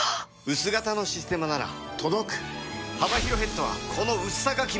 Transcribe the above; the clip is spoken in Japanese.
薄型の「システマ」なら届く「システマ」